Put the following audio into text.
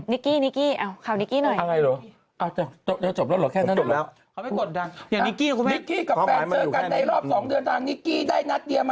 กี้นิกกี้ข่าวนิกกี้หน่อย